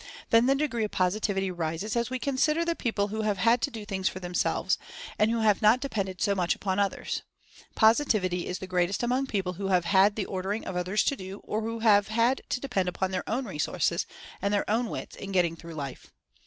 Then the degree of Positivity rises as we consider the people who have had to do things for themselves, and who have not depended so much upon others. Positivity is the greatest among people who have had the ordering of others to do, or who have had to depend upon their own resources, and their own wits, in getting through life.